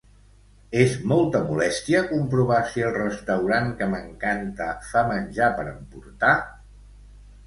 És molta molèstia comprovar si el restaurant que m'encanta fa menjar per emportar?